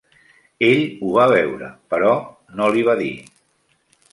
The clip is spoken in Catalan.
Ell ho va veure, però no l'hi va dir.